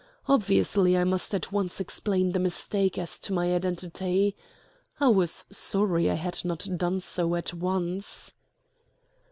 Obviously I must at once explain the mistake as to my identity. I was sorry I had not done so at once.